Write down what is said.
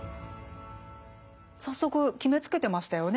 早速決めつけてましたよね。